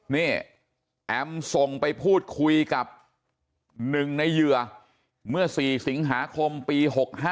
นี่แอมส่งไปพูดคุยกับ๑ในเหยื่อเมื่อ๔สิงหาคมปี๖๕